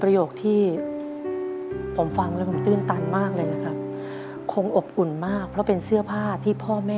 ประโยคที่ผมฟังมุ่งถึงตื่นตันคงอบอุ่นมากเพราะเป็นเสื้อผ้าที่พ่อแม่บอกให้